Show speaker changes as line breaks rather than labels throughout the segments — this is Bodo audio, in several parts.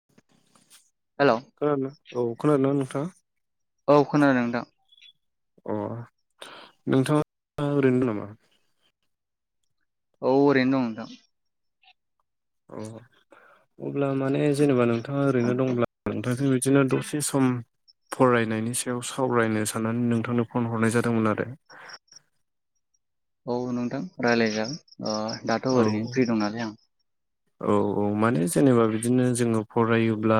[inaudible]
हेल'
खोनानो औ खोनादोंना नोंथां?
औ खोनादों नोंथां।
अ नोंथाङा ओरैनो दं नामा?
औ ओरैनो दं नोंथां।
औ अब्ला माने जेनेबा नोंथाङा ओरैनो दंब्ला नोंथां बिदिनो दसे सम फरायनायनि सायाव सावरायनो साननानै नोंथांनो फन हरनाय जादोंमोन आरो।
औ नोंथां रायज्लायजागोन दाथ'
औ
ओरैनो फ्रि दं नालाय आं
औ औ माने जेनेबा बिदिनो जोङो फरायोब्ला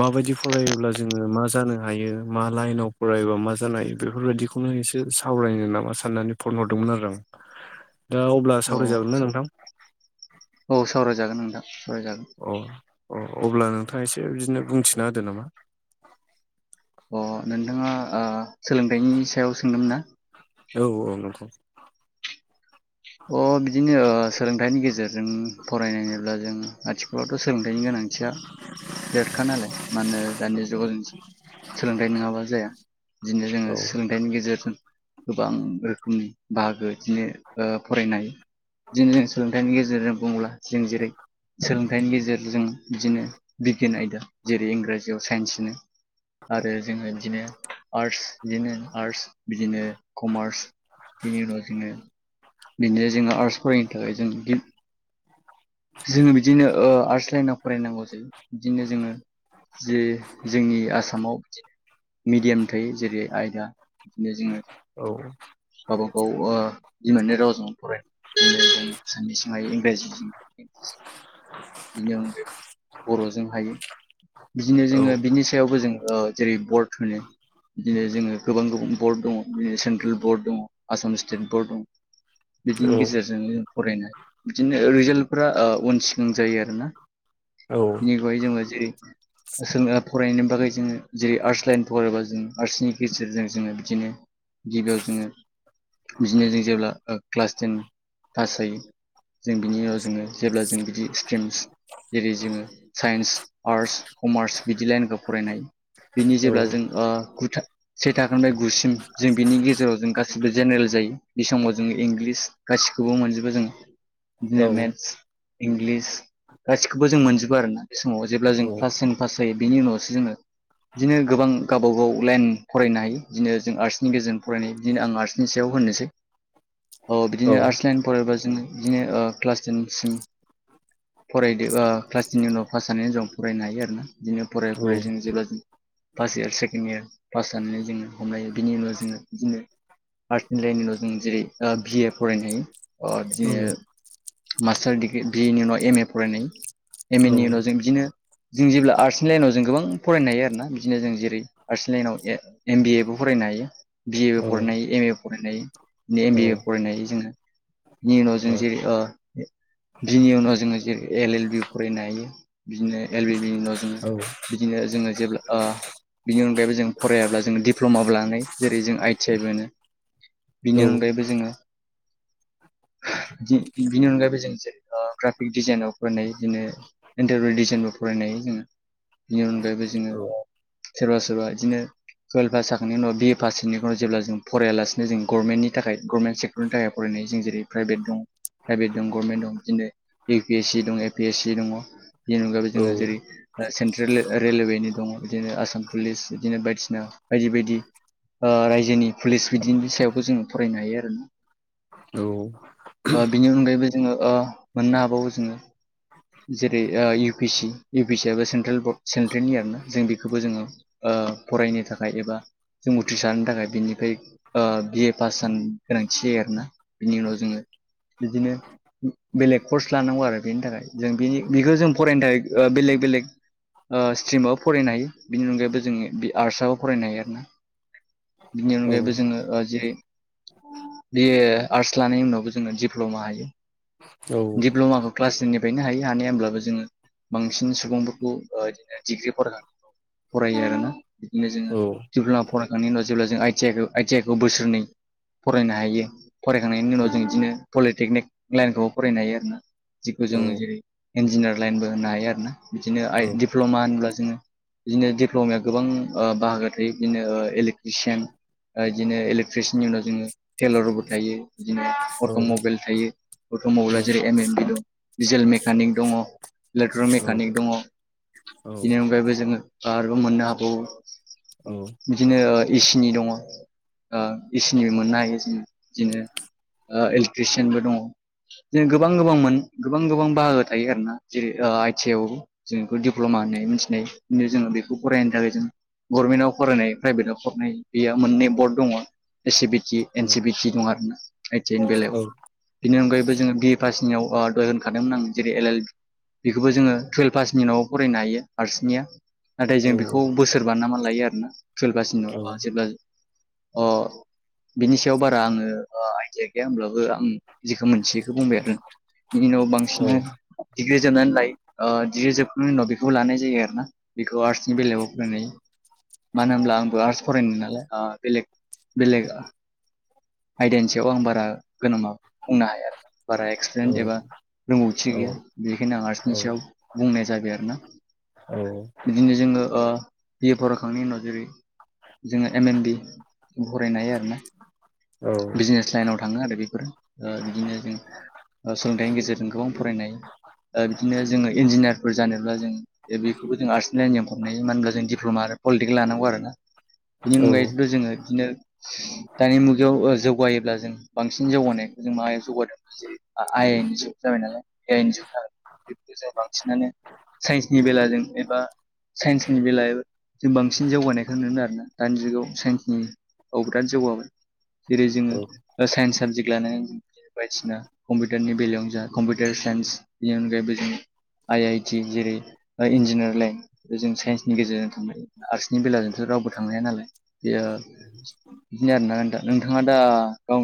माबायदि फरायोब्ला जोङो मा जानो हायो मा लाइनाव फरबा मा जानो हायो बेफोरबायदि खौनो एसे सावरायनो नामा साननानै फन हरदोंमोन आरो आं। दा अब्ला
औ
सावरायजागोन ना नोंथां
औ सावरायजागोन नोंथां सावरायजागोन।
अ अ अब्ला नोंथाङा एसे बिदिनो बुंथिना होदो नाम
अ नोंथाङा सोलोंथाइनि सायाव सोंदोंमोन ना?
औ औ नोंथां।
अ बिदिनो सोलोंथाइनि गेजेरजों फरायनायब्ला जों आथिखालावथ' सोलोंथाइनि गोनांथिया देरखा नालाय मानो दानि जुगाव जों सोलोंथाइ नङाबा जाया बिदिनो जोङो
आंबो
सोलोंथाइनि गेजेरजों गोबां रोखोमनि बाहागो बिदिनो फरायनो हायो बिदिनो जों सोलोंथाइनि गेजेरजों बुङोब्ला जों जेरै सोलोंथाइनि गेजेरजों बिदिनो बिगियान आयदा जेरै इंराजियाव साइन्स होनो आरो जोङो बिदिनो आर्टस बिदिनो आर्टस बिदिनो कमार्स बिनि उनाव जोङो बेनिफ्रायाय जोङो आर्स फरायनो थाखाय जों गि
[inaudible]
जोङो बिदिनो आर्ट्स लाइनाव फरायनांगौ जायो बिदिनो जोङो जे जोंनि आसामाव मिडियाम थायो जेरै आयदा बिदिनो जोङो
औ
गावबा गाव जि मोननै रावजों फरायने साननि सि [unintelligible] इंराजिजों [inaudible] बिनो बर'जों हायो बिदिनो जोङो बिजनेस सायावबो जोङो जेरै बर्ट होनो बिदिनो जोङो गोबां गोबां बर्ड दङ सेन्ट्रेल बर्ड दङ आसाम स्टेट बर्ड दङ बिदिनि गेजेरजों जों फरायनाय बिदिनो रिजाल्टफोरा उन सिगां जायो आरोना
औ
बिनिहाय जोङो जेरै जों फरायनायनि बागै जोङो जेरै आर्ट्स लाइन फरायबा जों आर्ट्सनि गेजेरजों जोङो बिदिनो गिबियाव जोङो बिदिनो जों जेब्ला क्लास टेन पास जायो जों बिनि उनाव जोङो जेब्ला जों बिदि स्ट्रिमस जेरै जोङो साइन्स आर्टस कमार्स बिदि लाइनखौ फरायनाय बिनि जेब्ला जों ओ गुथा से थाखोनिफ्राय गुसिम जों बिनि गेजेराव जों गासिबो जेनेरेल जायो बे समाव जोङो इंलिस गासिखौबो मोनजोबो जों बिदिनो मेथ्स इंलिस गासिखौबो जों मोनजोबो आरोना बे समाव जेब्ला जों क्लास टेन पास जायो बिनि उनावसो जोङो बिदिनो गोबां गावबा गाव लाइन फरायनो हायो बिदिनो जों आर्ट्सनि गेजेरजों फरायनाय बिदिनो आं आर्ट्सनि सायाव होनोसै
[inaudible]
औ बिदिनो आर्ट्स लाइन फरायबा जों बिदिनो ओ क्लास टेन सिम फरायदो ओ क्लास टेननि उनाव पास जानानै जों फरायनो हायो आरोना बिदिनो फरायै फरायै जों जेब्ला first year second year pass जानानै जोङो हमनायायो बिनि उनाव जोङो बिदिनो हायर्ट सेकेण्ड एन्डरिनि उनाव' जों जेरै बि ए फरायनो हायो बिदिनो मास्टार डिग्रि बिनि उनाव एम ए फरायनाय एम एनि उनाव जों बिदिनो जों जेब्ला आर्ट्सनि लाइनाव जों गोबां फरायनो हायो आरोना बिदिनो जों जेरै आर्ट्सनि लाइनाव ए एम बिएबो फरायनो हायो बिएबो फरायनो हायो एम एबो फरायनो हायो एमबि ए फरायनाय जोङो बिनि उनाव जों जेरै ओ बिनि उनाव जोङो जेरै एल एल बि फरायनो हायो बिदिनो एल बि बिनि उनाव जोङो बिदिनो जोङो जेब्ला ओ बिनि अनगायैबो जों फरायाब्ला जोङो दिप्ल'माबो लानाय जेरै जों आइ टि आइ बो मोनो बिनि अनगायैबो जोङो बिनि अनगायैबो जों जेरै ग्राफिक डिजाइनाव फरायनाय बिदिनो इन्टार रेडिसनबो फरायनायनो जोङो बेनि अनगायैबो जोङो ओ सोरबा सोरबा बिदिनो टुवेल्भ पास जाखांनि उनाव बिए पास बेनि उनाव जेब्ला जों फरायालासिनो जों गरमेन्टनि थाखाय गरमेन्ट सेक फोरनि थाखाय फरायनाय जों जेरै प्राइभेट दं प्राइभेट दं गभर्नमेन्ट दं बिदिनो इउ पि एस सि दं ए पि एस सि दङ बेनि अनगायै जोङो जेरै ओ सेन्ट्रेल रेलवेनि दङ बिदिनो आसाम पुलिस बिदिनो बायदिसिना बायदि बायदि ओ रायजोनि पुलिस बिदिनि सायावबो जोङो फरायनो हायो आरोना
औ
बिनि अनगायैबो जोङो मोननो हाबावो जोङो जेरै ओ U P C U P सिबा सेन्ट्रेल बर्ड सेन्ट्रेलनि आरो ना जों बेखौबो जोङो ओ फरायनो थाखाय एबा जों उथ्रिसारनो थाखाय बेनिफ्राय ओ बि ए पास जानो गोनांथि जायो आरोना बिनि उनाव जोङो बिदिनो बेलेग कर्स लानांगौ आरो बेनि थाखाय जों बेनि बेखौ जों फरायनो थाखाय बेलेग बेलेग ओ स्ट्रिमाबाबो फरायनो हायो बिनि अनगायैबो जोङो बे आर्टसाबाबो फरायनो हायो आरोना बिनि अनगायैबो जोङो ओ जेरै बे आर्टस लानाय उनावबो जोङो दिप्ल'मा हायो दिप्ल'माखौ क्लास टेननिफ्रायनो हायो हानाय होमब्लाबो जोङो बांसिन सुबुंफोरखौ बिदिनो डिग्रि फरायनानै फरायो आरोना बिदिनो जोङो जेब्ला फरायखांनायनि उनाव जेब्ला जों आइ टि आइ खौ आइ टि आइ खौ बोसोरनै फरायनो हायो फरायखांनायनि उनाव जों इदिनो पलिटेकनिक लाइनखौबो फरायनो हायो आरोना जिखौ जोङो जेरै इन्जिनियार लाइनबो होनो हायो आरो ना बिदिनो आइ डप्ल'मा होनोब्ला जोङो बिदिनो दिडप्ल'माया गोबां ओ बाहागो थायो बिदिनो ओ इलेकट्रिसियान ओ बिदिनो इलेकट्रिसिनि उनाव जोङो टेलरबो थायो बिदिनो अट' मबाइल थायो अट' मबाइला जेरै एम एम डिल' डिजेल मेकानिक दङ इलेक्ट्रक मेकानिक दङ बेनि अनगायैबो जोङो आरोबिव मोननो हाबावो बिदिनो एसिनि दङ आ असिनिबो मोननो हायो जों बिदिनो आ इलेक्ट्रिसियानबो दङ जों गोबां गोबां मोनो गोबां गोबां बाहागो थायो आरोना जेरै आइ टि आइआवबो जों बेखौ दिप्ल'मा होननाय मिथिनाय जोङो बेखौ फरायनो थाखाय जों गभर्नमेन्टआव फरायनाय प्राइभेटआव फरायनाय बेयो मोननै बर्ड दङ ए सि बिटि एन सि बिटि दं आरोना आइ टि आइनि बेलायाव बिनि अनगायैबो जोङो बि पासनियाव दहाय होनखादोंमोन आं जेरै एल एल बि बेखौबो जोङो टुयेल्भ पासनि उनावबो फरायनो हायो आर्टसनिया नाथाय जों बेखौ बोसोरबा ना मा लायो आरोना टुइयेलभ भासनिखौ जेब्ला जों
[inaudible]
बिनि सायाव बारा आङो आइडिया गैया होमब्लाबो आं जेखौ मोनसेयैखौ बुंबाय आरो बिनि उनाव बांसिनानो डिग्रि जोबनानै लायो डिग्रि जोबखांनायनि उनाव बेखौबो लानाय जायो आरो ना बेखौ आर्टसनि बेलायाव फरायनाय मानो होनब्ला आंबो आर्टस फरायनो नालाय बेलेग बेलेग आयदानि सायाव आं बारा गोनोमाव बुंनो हायो आरो बारा एक्सपिरियेन्स एबा रोंगौथि गैया बेनिखायनो आं आर्टसनि सायाव बुंनाय जाबाय आरो ना
औ
बिदिनो जोङो ओ बि ए फरायखांनायनि उनाव जेरै जोङो एम एम बि फरायनो हायो आरो ना बिजनेस लाइनाव थाङो आरो बेफोर ओ बिदिनो जों ओ सोलोंथाइनि गेजेरजों गोबां फरायनाय ओ बिदिनो जोङो इन्जिनियारफोर जानोब्ला जों दा बेबो जों आर्सड लाइनजों हमनाय होनब्ला जों दिप्ल'मा आरो पलिटिकेल लानांगौ आरो ना बिनि अनगायैथ' जोङो बिदिनो दानि मुगायाव जौगायोब्ला जों बांसिन जौगानाय जों माबायाव जौगादों जेरै आइ आइनि जुग जाबाय नालाय ए आइनि जुग जोन बे जों बांसिनानो साइन्सनि बेलाजों एबा साइन्सनि बेलायाव जों बांसिन जौगानायखौ नुनो आरोना दानि जुगाव साइन्सनि औ बिराद जौगामोन जेरै जोङो साइन्स साबजेक्ट लानाय बायदिसिना कम्पिउटारनि बेलायावनो जा कम्पिउटार साइन्स बेनि अनगायैबो जों आइ आइ टि जेरै इन्जिनियार लाइन बे जों साइन्सनि गेजेरजों थांबाय आर्टसनि बेलाजोंथ' रावबो थांनो हाया नालाय बेयो बिदिनो आरो ना नोंथा नोंथाङा दा गा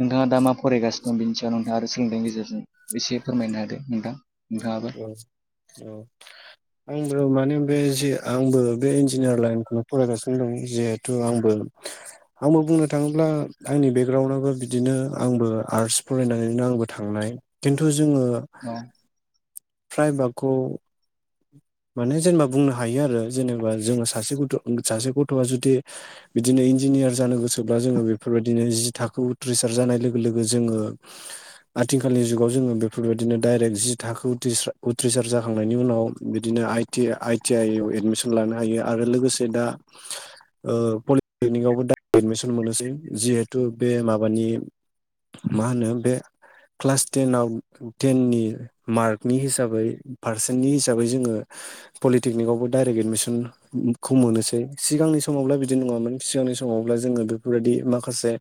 नोंथाङा दा मा फरायगासिनो दं बेनि सा नोंथाङा आरो सोलोंथाइनि गेजेरजों एसे फोरमायनो होदो नोंथां नोंथाङाबो
[inaudible] औ आंबो माने बे आंबो बे इन्जिनियार लाइनखौनो फरायगासिनो दं जिहेथु आंबो आंबो बुंनो थाङोब्ला आंनि बेकग्राउन्डआबो बिदिनो आंबो आर्ट्स फरायनानैनो आंबो थांनाय खिन्थु जोङो
औ
फ्राय बाखौ माने जेनेबा बुंनो हायो आरो जेनेबा जोङो सासे गथ' सासे गथ'आ जुदि बिदिनो इन्जिनियार जानो गोसोब्ला जोङो बेफोरबायदिनो जि थाखो उथ्रिसार जानाय लोगो लोगो जोङो आथिखालनि जुगाव जोङो बेफोरबायदिनो डायरेक्ट जि थाखो उथ्रिसार जाखांनायनि उनाव बिदिनो आइ आइ टि आइ आव एडमिसन लानो हायो आरो लोगोसे दा पलिटेकनिकआवबो दा एडमिसन मोनोसै जिहेथु बे माबानि मा होनो बे क्लास टेनाव टेननि मार्कनि हिसाबै पारसेन्टनि हिसाबै जोङो पलिटेकनिकआवबो डाइरेक्ट एडमिसन खौ मोनोसै सिगांनि समावब्ला बिदि नङामोन सिगांनि समावब्ला जोङो बेफोरबायदि माखासे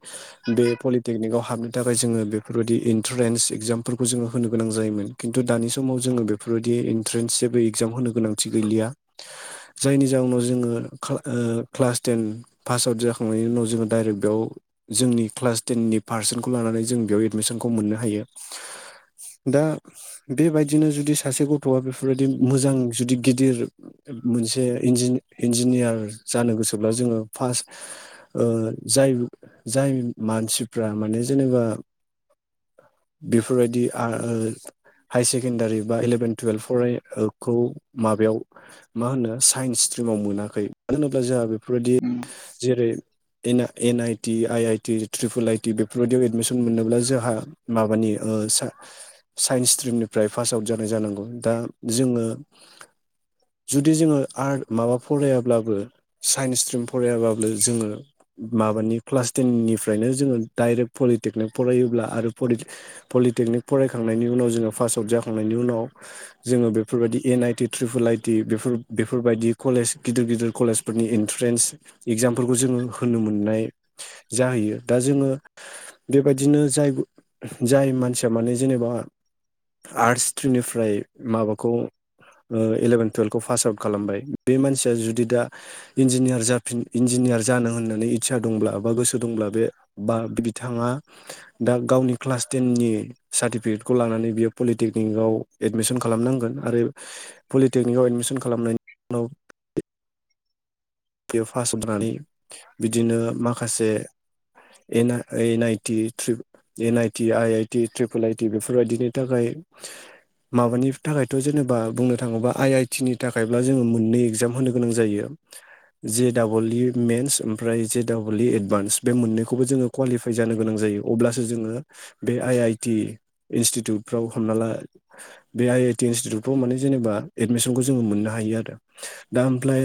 बे पलिटेकनिकआव हाबनो थाखाय जोङो बेफोरबायदि इन्ट्रेन्स एगजामफोरखौ जोङो होनो गोनां जायोमोन खिन्थु दानि समाव जोङो बेफोरबायदि एन्ट्रेन्स जेबो एगजाम होनो गोनांथि गैलिया जायनि जाउनाव जोङो क्ला ओ क्लास टेन पास आउट जाखांनायनि उनाव जोङो डाइरेक्ट बेयाव जोंनि क्लास टेननि पारसेन्टखौ लानानै जों बेयाव एडमिसनखौ मोननो हायो दा बेबायदिनो जुदि सासे गथ'आ बेफोरबायदि मोजां जुदि गिदिर मोनसे इन्जिन इन्जिनियार जानो गोसोब्ला जोङो फार्स्ट ओ जाय जाय मानसिफ्रा माने जेनेबा बेफोरबायदि हा ओ हाय सेकेण्डारि बा इलेभेन टुयेल्भ फराय ओ खौ माबायाव मा होनो साइन्स स्ट्रिमाव मोनाखै मानो होनोब्ला जोंहा बेफोरबायदि
उम
जेरै एन आ N I T I I T triple आइटि बेफोरबायदियाव एडमिसन मोननोब्ला जोंहा माबानि ओ सा साइन्स स्ट्रिमनिफ्राय पास आउट जानाय जानांगौ दा जोङो [inaudible] जुदि जोङो आर्ट माबा फरायाब्लाबो साइन्स स्ट्रिम फरायाब्लाबो जोङो माबानि क्लास टेननिफ्रायनो जोङो डाइरेक्ट पलिटेकनिक फरायोब्ला आरो पलि पलिटेकनिक फरायखांनायनि उनाव जोङो पास आउट जाखांनायनि उनाव जोङो बेफोरबायदि एन आइटि ट्रिपुल आइटि बेफोर बेफोरबायदि कलेज गिदिर गिदिर कलेजफोरनि इन्ट्रेन्स एगजामफोरखौ जोङो होनो मोननाय जाहैयो दा जोङो बेबायदिनो जाय जाय मानसिया माने जेनेबा आर्टस स्ट्रिमनिफ्राय माबाखौ ओ इलेभेन टुयेल्भखौ पास आउट खालामबाय बे मानसिया जुदि दा इन्जिनियार जाफिन इन्जिनियार जानो होननानै इस्सा दंब्ला बा गोसो दंब्ला बे बा बिथाङा दा गावनि क्लास टेननि सार्टिफिकेटखौ लानानै बियो पलिटेकनिकआव एडमिसन खालामनांगोन आरो पलिटेकनिकआव एडमिसन खालामनायनि उनाव बेयाव फास आउट जानानै बिदिनो माखासे एन आ O N आइटि three N I T I I T triple आइटि बेफोरबायदिनि थाखाय माबानि थाखायथ' जेने बा बुंनो थाङोबा आइ आइ टि नि थाखायब्ला जोङो मोननै एगजाम होनो गोनां जायो जे डाबल इ मेन्स ओमफ्राय जे डाबल इ एडभान्स बे मोननैखौबो जोङो कुवालिफाइ जानो गोनां जायो अब्लासो जोङो बे आइ आइ टि इनस्टिटिउटफ्राव हमना ला बे आइ आइ टि इनस्टिटिउट फ्राव माने जेनेबा एडमिसनखौ जोङो मोननो हायो आरो। दा ओमफ्लाय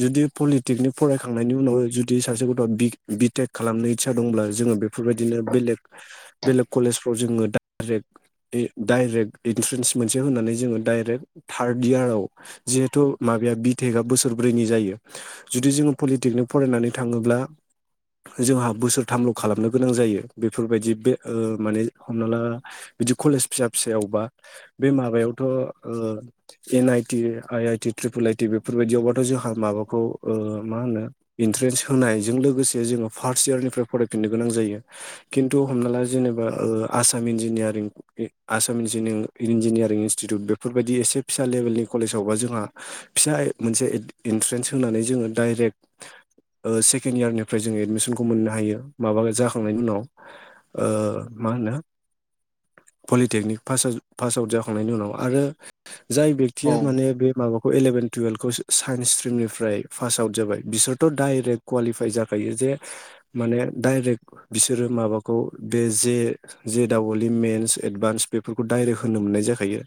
जुदि पलिटेकनिक फरायखांनायनि उनाव जुदि सासे गथ'आ बि बिटेक खालामनो इसा दंब्ला जोङो बेफोरबायदिनो बेलेग बेलेग कलेजफ्राव जोङोे डाइरेक्ट डाइरेक्ट इन्ट्रेन्स मोनसे होनानै जोङो डाइरेक्ट थार्ड इयाराव जिहेथु माबाया बिटेकआ बोसोरब्रैनि जायो। जुदि जोङो पलिटेकनिक फरायनानै थाङोब्ला जोंहा बोसोरथामल' खालामनो गोनां जायो बेफोरबायदि बे ओ माने हमना ला बिदि कलेज फिसा फिसायावबा बे माबायावथ' ओ N आइटि I I T triple आइटि बेफोरबायदियावबाथ' जोंहा माबाखौ ओ मा होनो? इन्ट्रेन्स होनायजों लोगोसे जोङो फार्स्ट इयारनिफ्राय फरायफिननो गोनां जायो। खिन्थु हमना ला जेनेबा ओ आसाम इन्जिनियारिं बे आसाम इन्जिनिं इन्जिनियारिं इस्टिटिउट बेफोरबायदि एसे फिसा लेभेलनि कलेजावबा जोंहा फिसा ओ मोनसे ए इन्ट्रेन्स होनानै जोङो डाइरेक्ट ओ सेकेण्ड इयारनिफ्राय जोङो एडमिसनखौ मोननो हायो माबा जाखांनायनि उनाव। ओ मा होनो पलिटेकनिकास पासआ पास आउट जाखांनायनि उनाव आरो जाय
औ
बेक्तिया माने बे माबा खौ इलेभेन टुयेल्भ खौ साइन्स स्ट्रिमनिफ्राय पास आउट जाबाय बिसोरथ' दडाइरेक्ट कुवालिफाइ जाखायो जे माने डाइरेक्ट बिसोरो माबाखौ बे जे जि दाबअलि मेन्स एडभान्स बेफोरखौ डाइरेक्ट होनो मोननाय जाखायो।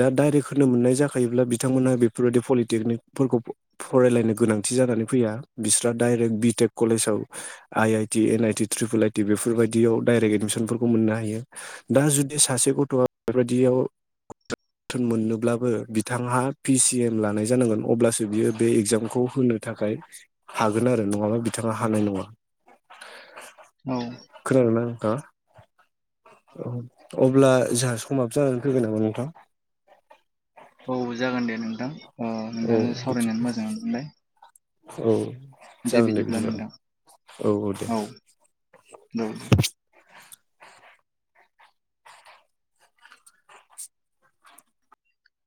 दा दडाइरेक्ट होनो मोननाय जाखायोब्ला बिथांमोनहा बेफोरबायदि पलिटेकनिकफोरखौ फरायलायनो गोनांथि जानानै फैया बिस्रा डाइरेक्ट बिटेक कलेजाव I I T N I T triple I T बेफोरबायदियाव डाइरेक्ट एडमिसनफोरखौ मोननो हायो। दा जुदि सासे गथ'आ बेबायदियाव मोननोब्लाबो बिथाङा पिसि एम लानाय जानांगोन अब्लासो बियो बे एग्जामखौ होनो थाखाय हागोन आरो नङाबा बिथाङा हानाय नङा।
औ
खोना नोथाङा अब्ला जोंहा स समाबो जानानै फैगोन नामा नोंथां?
औ जागोन दे नोंथां
औ
नोंथां
बिदि
सावरायनानै मोजां मोनजोंमोनबाय।
औ जागोन दे
बिदिब्ला
बिदिबा
नोंथां
औ औ दे।
औ